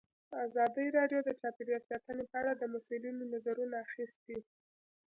ازادي راډیو د چاپیریال ساتنه په اړه د مسؤلینو نظرونه اخیستي.